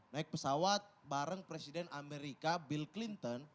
naik pesawat bareng presiden amerika bill clinton